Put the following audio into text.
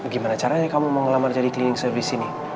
gimana caranya kamu mau ngelamar jadi cleaning service disini